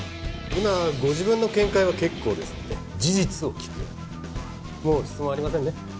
今はご自分の見解は結構ですので事実を聞くようにもう質問ありませんね